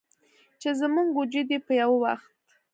چې زموږ وجود یې په یوه وخت